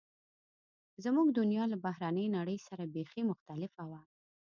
زموږ دنیا له بهرنۍ نړۍ سره بیخي مختلفه وه